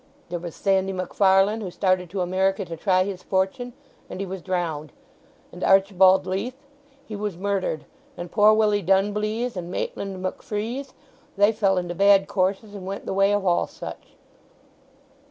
There was Sandy Macfarlane, who started to America to try his fortune, and he was drowned; and Archibald Leith, he was murdered! And poor Willie Dunbleeze and Maitland Macfreeze—they fell into bad courses, and went the way of all such!"